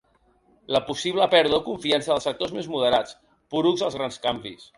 La possible pèrdua de confiança dels sectors més moderats, porucs dels grans canvis.